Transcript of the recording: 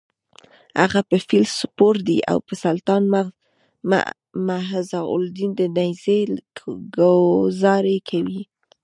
هغه په فیل سپور دی او په سلطان معزالدین د نېزې ګوزار کوي: